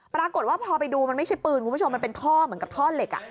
ปรากฏว่าพอไปดูมันไม่ใช่ปืนคุณผู้ชมมันเป็นท่อเหมือนกับท่อเหล็ก